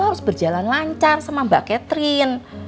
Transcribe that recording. harus berjalan lancar sama mbak catherine